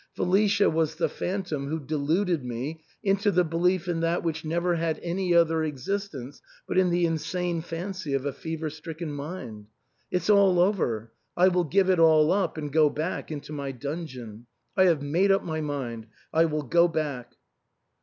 Felicia was the phantom who delud ed me into the belief in that which never had any other existence but in the insane fancy of a fever strick en mind. It's all over. I will give it all up, and go back — into my dungeon. I have made up my mind ; I will go back."